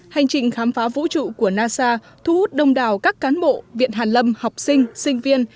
hành trình khám phá vũ trụ của nasa thu hút đông đào các cán bộ viện hàn lâm học sinh sinh viên